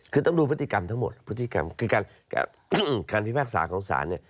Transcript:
คือต้องดูพฤติกรรมทั้งหมดคือการพิพากษาของศาล